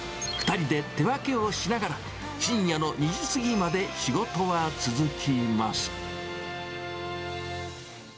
２人で手分けをしながら、深夜の２時過ぎまで仕事は続きます。